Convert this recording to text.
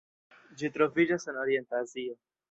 Ĝi troviĝas en Orienta Azio.